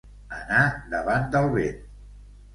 Anar davant del vent.